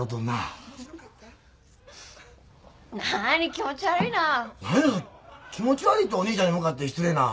気持ち悪いてお兄ちゃんに向かって失礼な。